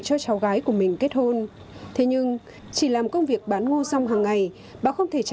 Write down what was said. xin kính chào tạm biệt và hẹn gặp lại